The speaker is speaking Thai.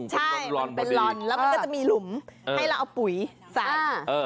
ใช่มันเป็นลอนแล้วมันก็จะมีหลุมให้เราเอาปุ๋ยใส่